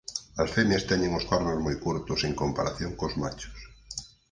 As femias teñen os cornos moi curtos en comparación cos machos.